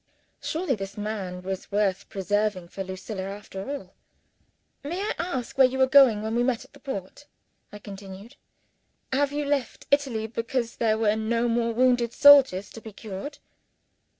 Surely this man was worth preserving for Lucilla, after all! "May I ask where you were going, when we met at the port?" I continued. "Have you left Italy because there were no more wounded soldiers to be cured?"